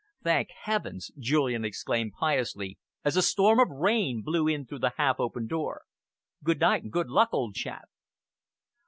"Thank heavens!" Julian exclaimed piously, as a storm of rain blew in through the half open door. "Good night and good luck, old chap!"